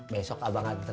besok abang nganterin daftar